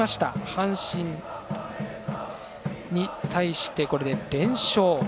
阪神に対して、これで連勝。